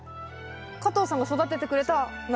加藤さんが育ててくれた苗。